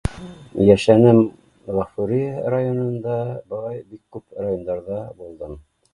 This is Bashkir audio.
Йәшәнем Ғафури районында, былай бик күп райондарҙа булдым